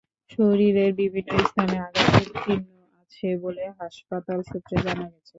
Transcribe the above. শরীরের বিভিন্ন স্থানে আঘাতের চিহ্ন আছে বলে হাসপাতাল সূত্রে জানা গেছে।